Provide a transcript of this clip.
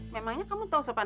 memangnya kamu tahu sopan